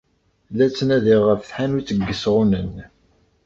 La ttnadiɣ ɣef tḥanut n yisɣunen.